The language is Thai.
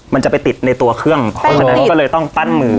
มันจะไปติดในตัวเครื่องเพราะฉะนั้นก็เลยต้องปั้นมือ